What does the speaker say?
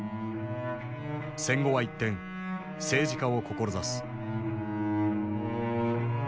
戦後は一転政治家を志す。